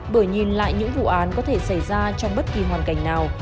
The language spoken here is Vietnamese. bởi nhìn lại những vụ án có thể xảy ra trong bất kỳ hoàn cảnh nào